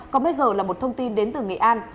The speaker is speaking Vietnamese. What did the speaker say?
còn bây giờ là một thông tin đến từ nghệ an